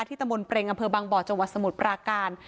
ตะมนเปรงอำเภอบางบ่อจังหวัดสมุทรปราการ